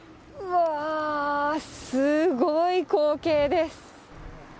うわー、すごい光景です。